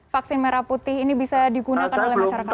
vaksin merah putih ini bisa digunakan oleh masyarakat